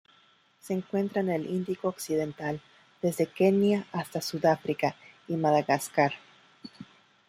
Se encuentra en el Índico occidental: desde Kenia hasta Sudáfrica y Madagascar.